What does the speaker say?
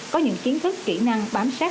có những kiến thức kỹ năng bám sát